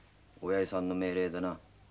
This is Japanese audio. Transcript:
おやじさんの命令でな。